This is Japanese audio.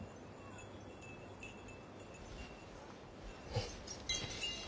うん。